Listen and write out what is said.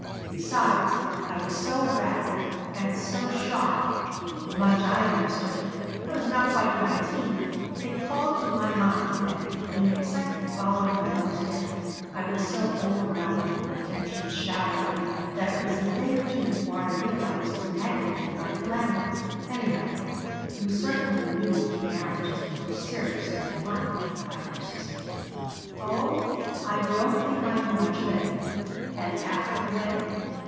Besides. I was so rattled and so shy. Much I understood. I was not quite nineteen." It called to my mind that in the excitement following my mother's death I was so overwhelmed by the attentions showered on me that it was a day or two before I realized the magnitude of my calamity "Anyhow, you certainly knew that marriage is the most serious thing in life," I persisted "Oh, I don't think I knew much of anything." "And after the wedding?"